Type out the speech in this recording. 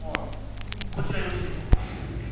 こちらよろしいでしょうか？